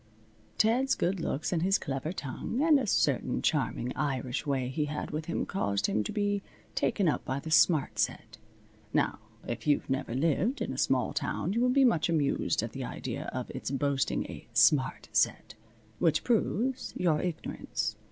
Ted's good looks and his clever tongue and a certain charming Irish way he had with him caused him to be taken up by the smart set. Now, if you've never lived in a small town you will be much amused at the idea of its boasting a smart set. Which proves your ignorance.